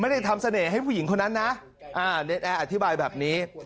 ไม่ได้ทำเสน่ห์ให้ผู้หญิงคนนั้นเนี๊ยะแออธิบายแบบนี้